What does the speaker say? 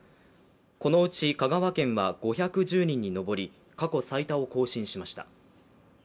このうち香川県は５１０人に上り、過去最多を更新しました。